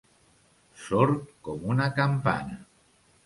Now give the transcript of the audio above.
Sord com una campana.